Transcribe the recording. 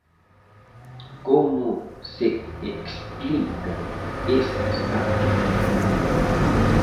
¿Como se explican estes datos?